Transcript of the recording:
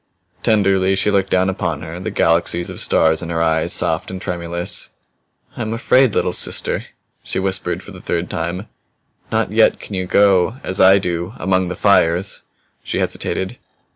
Tenderly she looked down upon her, the galaxies of stars in her eyes soft and tremulous. "I am afraid, little sister," she whispered for the third time. "Not yet can you go as I do among the fires." She hesitated.